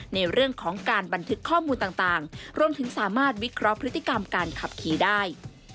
ในเรื่องของการบันทึกข้อมูลต่างรวมถึงสามารถวิเคราะห์พฤติกรรมการขับขี่ได้